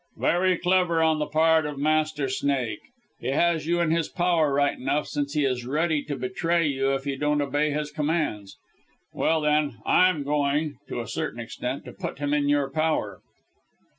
"Very clever on the part of Master Snake. He has you in his power right enough, since he is ready to betray you if you don't obey his commands. Well, then, I am going to a certain extent to put him in your power."